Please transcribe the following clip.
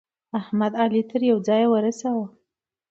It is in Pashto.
احمد؛ علي تر يوه ځايه ورساوو.